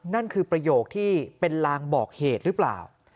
นั่นคือประโยคที่เป็นลางบอกเหตุหรือเปล่า